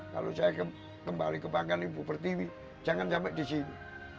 kalau saya kembali ke banggaan ibu pertiwi jangan sampai di sini